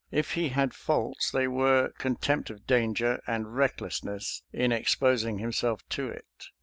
If he had faults, they were contempt of danger and recklessness in exposing himself to it.